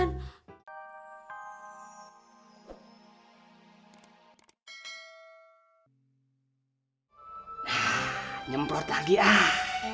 nah nyemprot lagi ah